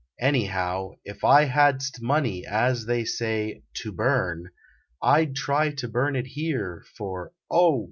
Anyhow, if I Hadst money, as they say, " to burn," I d try To burn it here, for, oh!